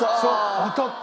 当たった！